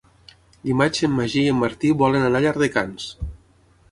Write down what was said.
Dimarts en Magí i en Martí volen anar a Llardecans.